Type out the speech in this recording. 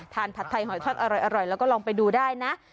ผัดไทยหอยทอดอร่อยแล้วก็ลองไปดูได้นะ